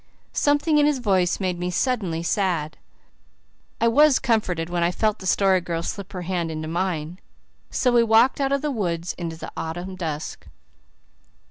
Something in his voice made me suddenly sad. I was comforted when I felt the Story Girl slip her hand into mine. So we walked out of the woods into the autumn dusk.